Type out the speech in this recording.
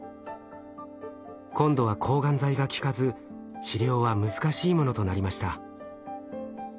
今度は抗がん剤が効かず治療は難しいものとなりました。